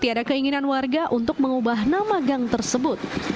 tidak ada keinginan warga untuk mengubah nama gang tersebut